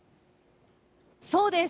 そうです。